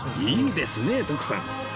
いいですねえ徳さん